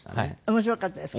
面白かったですか？